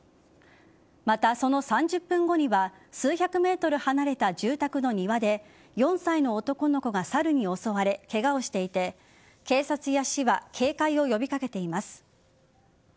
また、その３０分後には数百ｍ離れた住宅の庭で４歳の男の子がサルに襲われ、ケガをしていて警察や市は警戒を呼び掛けています。